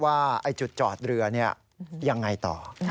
ว่าจุดจอดเรือยังไงต่อ